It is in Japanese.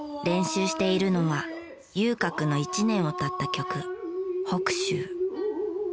練習しているのは遊郭の一年を歌った曲『北州』。